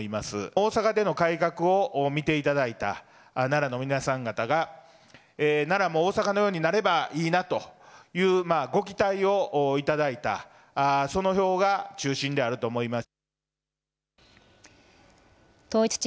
大阪での改革を見ていただいた奈良の皆さん方が、奈良も大阪のようになればいいなという、ご期待を頂いた、その票が中心であると思います。